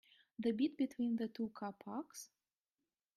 The bit between the two car parks?